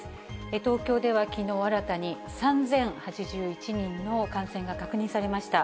東京ではきのう新たに３０８１人の感染が確認されました。